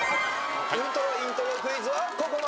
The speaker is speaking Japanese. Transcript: ウルトライントロクイズはここまで。